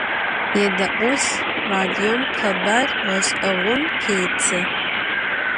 Yêde'olh, radiom khebar ğeş'eğon khêtı.